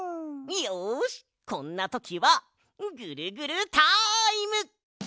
よしこんなときはぐるぐるタイム！